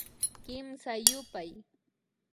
Kimsa yupay